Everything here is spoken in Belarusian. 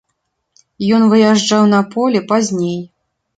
Ён выязджаў на поле пазней.